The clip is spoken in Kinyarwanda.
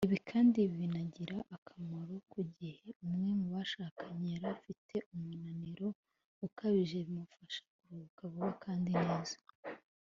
ibi kandi binagira akamaro ku gihe umwe mu bashakanye yari afite umunaniro ukabije bimufasha kuruhuka vuba kandi neza